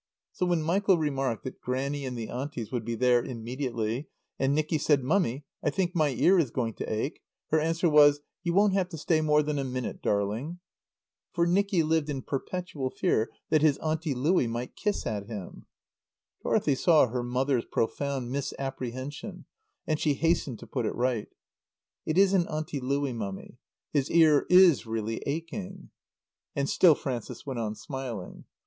So when Michael remarked that Grannie and the Aunties would be there immediately and Nicky said, "Mummy, I think my ear is going to ache," her answer was "You won't have to stay more than a minute, darling." For Nicky lived in perpetual fear that his Auntie Louie might kiss at him. Dorothy saw her mother's profound misapprehension and she hastened to put it right. "It isn't Auntie Louie, Mummy. His ear is really aching." And still Frances went on smiling.